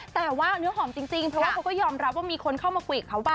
แต่ว่าเนื้อหอมจริงเพราะว่าเขาก็ยอมรับว่ามีคนเข้ามาคุยกับเขาบ้าง